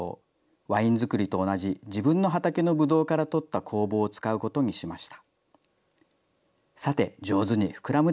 ワイン造りと同じ、自分の畑のブドウから取った酵母を使うことにしました。